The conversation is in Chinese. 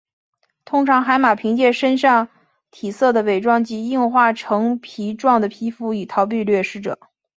通常海马凭借身上体色的伪装及硬化成皮状的皮肤以逃避掠食者。